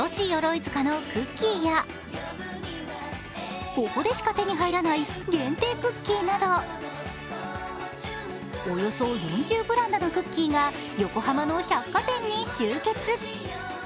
ＴｏｓｈｉＹｏｒｏｉｚｕｋａのクッキーやここでしか手に入らない限定クッキーなどおよそ４０ブランドのクッキーが横浜の百貨店に集結。